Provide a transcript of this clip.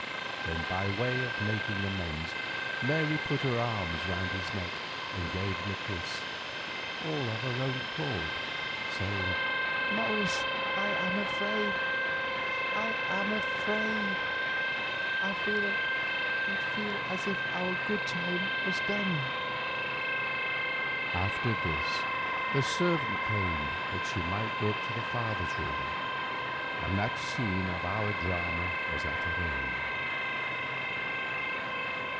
Then by way of making amends, Mary put her arms round his neck and gave him a kiss "all of her own accord," saying, "Morris, I am afraid—I am afraid. I feel as if our good time was done." After this the servant came to say that she might go up to her father's room, and that scene of our drama was at an end.